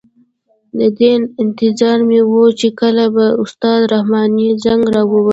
د دې انتظار مې وه چې کله به استاد رحماني زنګ را وهي.